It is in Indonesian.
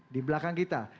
di belakang kita